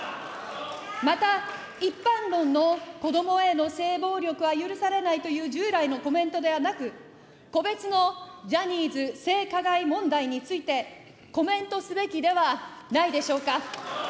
また、一般論の子どもへの性暴力は許されないという従来のコメントではなく、個別のジャニーズ性加害問題について、コメントすべきではないでしょうか。